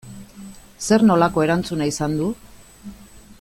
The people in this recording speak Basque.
Zer nolako erantzuna izan du?